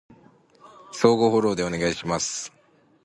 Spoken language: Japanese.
相互フォローでお願いします